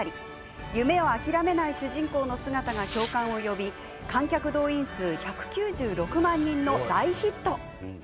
夢を諦めない主人公の姿が共感を呼び観客動員数１９６万人の大ヒット。